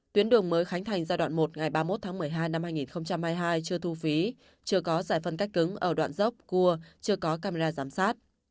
tuyến đường mới khánh thành giai đoạn một ngày ba mươi một tháng một mươi hai năm hai nghìn hai mươi hai chưa thu phí chưa có giải phân cách cứng ở đoạn dốc cua chưa có camera giám sát